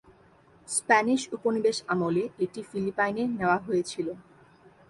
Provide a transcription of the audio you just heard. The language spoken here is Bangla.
স্প্যানিশ উপনিবেশ আমলে এটি ফিলিপাইনে নেওয়া হয়েছিল।